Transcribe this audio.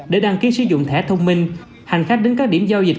để đăng ký sử dụng thẻ thông minh hành khách đến các điểm giao dịch